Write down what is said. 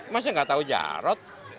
masih enggak tahu jarod